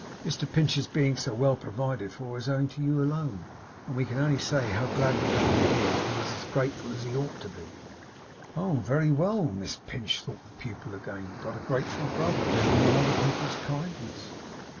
'Mr Pinch's being so well provided for is owing to you alone, and we can only say how glad we are to hear that he is as grateful as he ought to be.' 'Oh very well, Miss Pinch!' thought the pupil again. 'Got a grateful brother, living on other people's kindness!